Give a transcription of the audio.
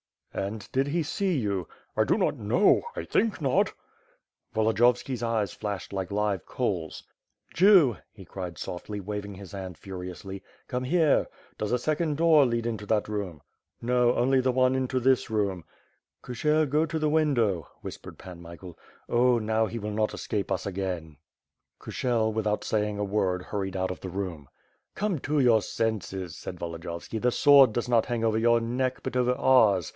"And did he see you?" "I do not know. I think not." Volodiyovski's eyes flashed like live coals. "Jew," he cried softly, waving his hand furiously, ''come here. Does a second door lead into that room." 'Tfo, only the one into this room." "Kushel, go to the window," whispered Pan Michael. "Oh, now he will not escape us again.'' 35 5^5 ^^^^^^^^^^^ SWORD. Kushel without saying a word hurried out of the room« "Come to your senses," said Volodiyovski. "The sword does not hang over your neck, but over ours.